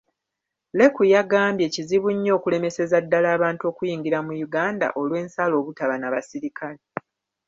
Leku, yagambye kizibu nnyo okulemeseza ddala abantu okuyingira mu Uganda olw'ensalo obutaba na basirikale.